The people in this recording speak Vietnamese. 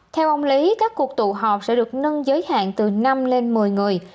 theo ông lý các cuộc tụ họp sẽ được nâng giới hạn từ năm lên một mươi người